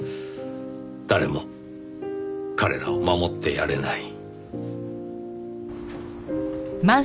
誰も彼らを守ってやれない。